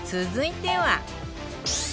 続いては